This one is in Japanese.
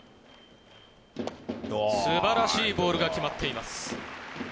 すばらしいボールが決まっています。